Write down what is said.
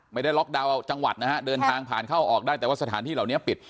ไม่ได้ล็อกดาวน์จังหวัดนะฮะเดินทางผ่านเข้าออกได้แต่ว่าสถานที่เหล่านี้ปิด